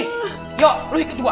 mbak lu ikut gua